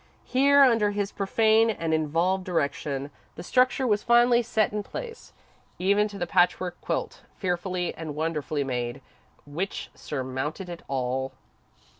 Here, under his profane and involved direction, the structure was finally set in place, even to the patchwork quilt, fearfully and wonderfully made, which surmounted it all.